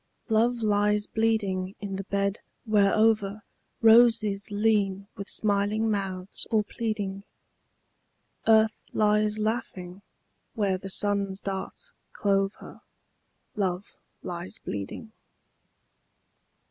LOVE lies bleeding in the bed whereover Roses lean with smiling mouths or pleading: Earth lies laughing where the sun's dart clove her: Love lies bleeding.